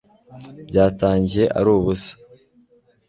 byatangiye ari ubusa